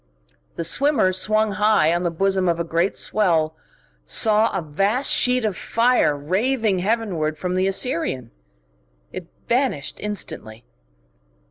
The swimmer, swung high on the bosom of a great swell, saw a vast sheet of fire raving heavenward from the Assyrian. It vanished instantly.